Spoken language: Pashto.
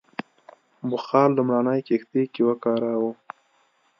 بخار لومړنۍ کښتۍ کې وکاراوه.